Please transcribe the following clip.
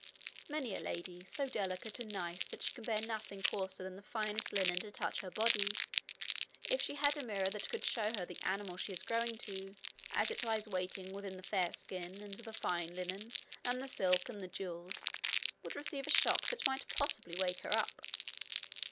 Many a lady, so delicate and nice that she can bear nothing coarser than the finest linen to touch her body, if she had a mirror that could show her the animal she is growing to, as it lies waiting within the fair skin and the fine linen and the silk and the jewels, would receive a shock that might possibly wake her up.'